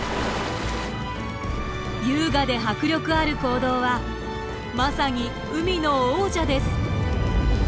優雅で迫力ある行動はまさに海の王者です。